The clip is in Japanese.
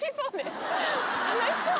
楽しそう。